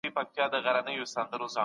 ځينې خلګ په خپله خيالي نړۍ کي ژوند کوي.